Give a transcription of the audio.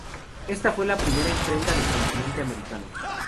Esta fue la primera imprenta del continente americano.